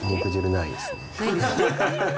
ないですね。